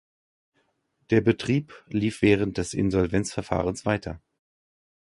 Der Betrieb lief während des Insolvenzverfahrens weiter.